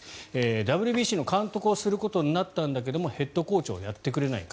ＷＢＣの監督をすることになったんだけどもヘッドコーチをやってくれないか？